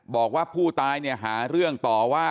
บอกว่าผู้ตายเนี่ยหาเรื่องต่อว่า